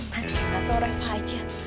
mas kenapa tau reva aja